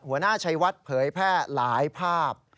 หัวหน้าชัยวัดเผยแพร่หลายภาพ